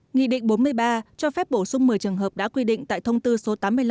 nghị định bốn mươi ba cho phép bổ sung một mươi trường hợp đã quy định tại thông tư số tám mươi năm